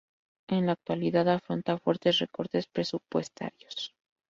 En la actualidad afronta fuertes recortes presupuestarios.